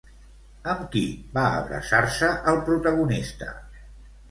Amb qui va abraçar-se el protagonista?